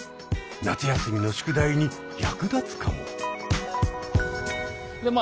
夏休みの宿題に役立つかも。